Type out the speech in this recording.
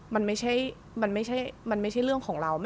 มันไม่ใช่เรื่องของเรา